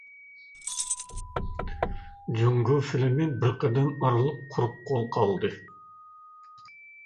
جۇڭگو فىلىمى« بىر قەدەم ئارىلىق» قۇرۇق قول قالدى.